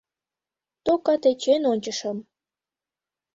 — Тока тӧчен ончышым.